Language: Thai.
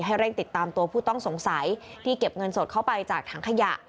เร่งติดตามตัวผู้ต้องสงสัยที่เก็บเงินสดเข้าไปจากถังขยะ